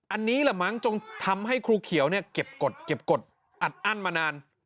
อันนี้แหละมั้งจงทำให้ครูเขียวเนี่ยเก็บกฎอัดอั้นมานาน